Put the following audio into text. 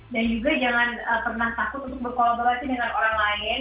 juga jangan pernah takut untuk berkolaborasi dengan orang lain